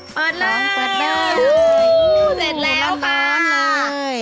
เปิดเลย